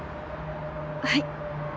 はい。